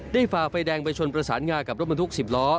ได้ฝ่าไดงไปชนประสานงากับรถบนทุกสิบล้อ